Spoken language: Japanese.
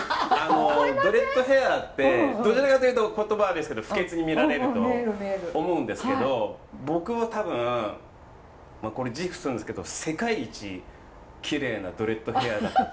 ドレッドヘアってどちらかというと言葉悪いんですけど不潔に見られると思うんですけど僕は多分これ自負するんですけど世界一きれいなドレッドヘアだったと。